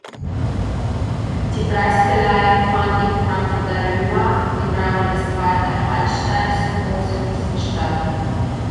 Die Preisverleihung fand im Frankfurter Römer, im Rahmen des Walter-Hallstein-Symposiums, statt.